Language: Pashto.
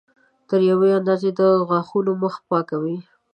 تر یوې اندازې د غاښونو مخ پاکوي.